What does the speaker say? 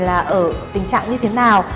là ở tình trạng như thế nào